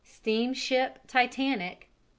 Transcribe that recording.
Steamship Titanic: No.